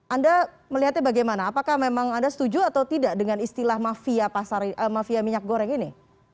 anda melihatnya bagaimana apakah memang anda setuju atau tidak dengan istilah mafia mafia minyak goreng ini